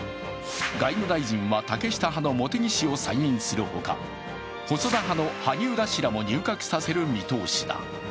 外務大臣は竹下派の茂木氏を再任するほか細田派の萩生田氏らも入閣させる見通しだ。